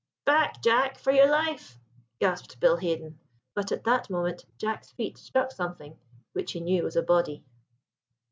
"Back, Jack, for your life!" gasped Bill Haden; but at that moment Jack's feet struck something, which he knew was a body.